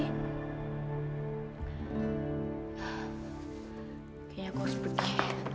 kayaknya aku harus pergi